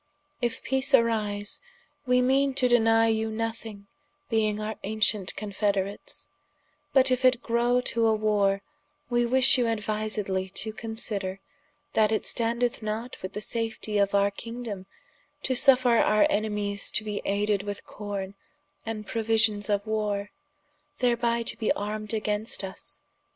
If peace arise, we meane to deny you nothing, being our ancient confederates: but if it grow to a warre, we wish you aduisedly to consider, that it standeth not with the safetie of our kingdome, to suffer our enemies to bee ayded with corne, and prouisions for warre, thereby to be armed against vs.